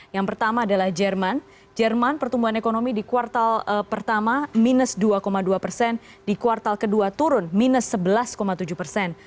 yang pertama adalah jerman jerman pertumbuhan ekonomi di kuartal pertama minus dua dua persen di kuartal kedua turun minus sebelas tujuh persen